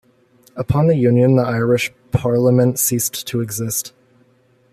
Upon the Union the Irish parliament ceased to exist.